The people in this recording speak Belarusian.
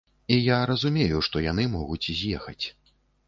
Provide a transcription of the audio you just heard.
І я разумею, што яны могуць з'ехаць.